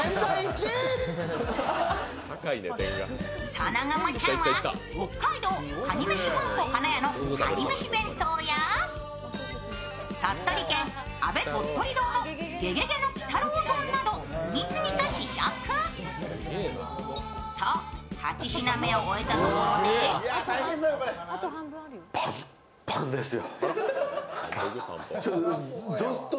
その後もチャンは北海道かにめし本舗かなやのかにめし弁当や鳥取県・アベ鳥取堂のゲゲゲの鬼太郎丼など次々と試食。と８品目を終えたところでスタッフルーム。来ました！